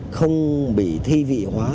không bị thi vị hóa